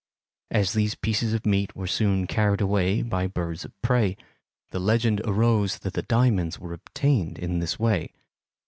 As these pieces of meat were soon carried away by birds of prey, the legend arose that the diamonds were obtained in this way.